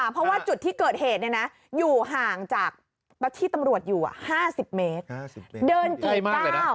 เพราะว่าจุดที่เกิดเหตุอยู่ห่างจากที่ตำรวจอยู่๕๐เมตร